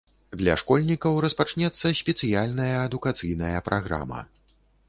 Для школьнікаў распачнецца спецыяльная адукацыйная праграма.